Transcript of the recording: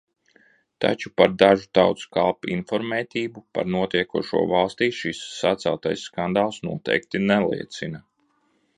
Taču par dažu tautas kalpu informētību par notiekošo valstī šis saceltais skandāls noteikti neliecina.